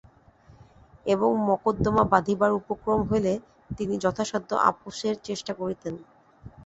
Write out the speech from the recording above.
এবং মকদ্দমা বাধিবার উপক্রম হইলে তিনি যথাসাধ্য আপসের চেষ্টা করিতেন।